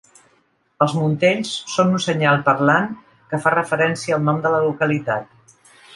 Els muntells són un senyal parlant que fa referència al nom de la localitat.